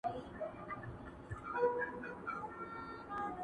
تېرېدل د سلطان مخي ته پوځونه!!